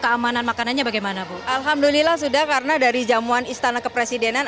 keamanan makanannya bagaimana bu alhamdulillah sudah karena dari jamuan istana kepresidenan